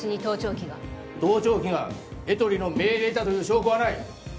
盗聴器がエトリの命令だという証拠はない